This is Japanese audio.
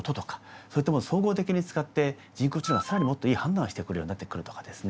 そういったものを総合的に使って人工知能がさらにもっといい判断をしてくれるようになってくるとかですね。